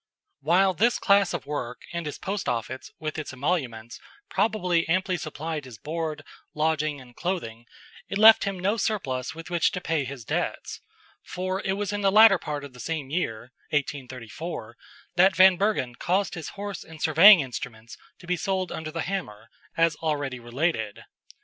While this class of work and his post office, with its emoluments, probably amply supplied his board, lodging and clothing, it left him no surplus with which to pay his debts, for it was in the latter part of that same year (1834) that Van Bergen caused his horse and surveying instruments to be sold under the hammer, as already related.